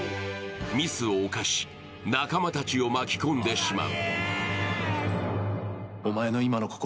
ミスを犯し、仲間たちを巻き込んでしまう。